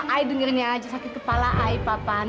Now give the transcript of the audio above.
saya dengerin yang aja sakit kepala saya papa